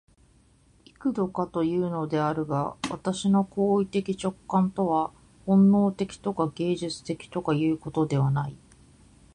幾度かいうのであるが、私の行為的直観とは本能的とか芸術的とかいうことではない。